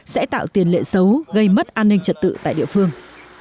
sẽ tạo tiền lệ xấu gây mất an ninh trật tự tại địa phương